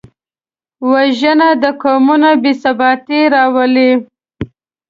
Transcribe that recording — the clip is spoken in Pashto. وژنه د قومونو بېثباتي راولي